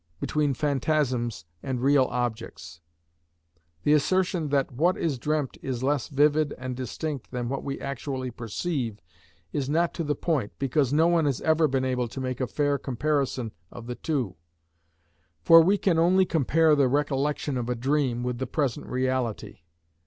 between phantasms and real objects? The assertion that what is dreamt is less vivid and distinct than what we actually perceive is not to the point, because no one has ever been able to make a fair comparison of the two; for we can only compare the recollection of a dream with the present reality.